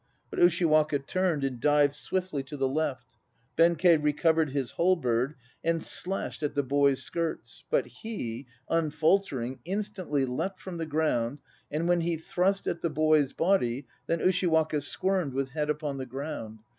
But Ushiwaka turned and dived swiftly to the left. Benkei recovered his halberd and slashed at the boy's skirts; But he, unfaltering, instantly leapt from the ground. And when he thrust at the boy's body, Then Ushiwaka squirmed with head upon the ground.